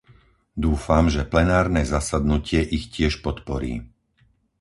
Dúfam, že plenárne zasadnutie ich tiež podporí.